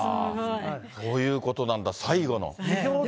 そういうことなんだ、最後の。